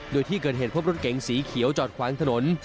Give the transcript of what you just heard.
โดยที่เกิดเหตุพบรถเก๋งสีเขียวจอดขวางถนน